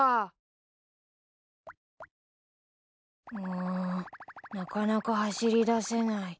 うんなかなか走りだせない。